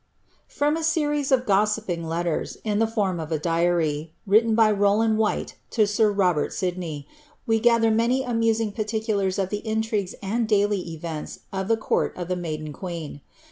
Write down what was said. From a series of gossiping letters, in the form of a diary, written by Rowland Whyte to sir Robert Sidney, we gather many amusing par ticulars of the intrigues and daily events of the court of the maiden queen.